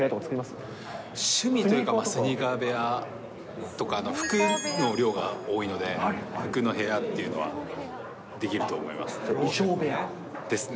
趣味というか、スニーカー部屋とか、服の量が多いので、服の部屋っていうのは出来ると思いますね。